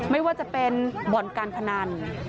ไม่ว่าจะเป็นบ่อนการพนัน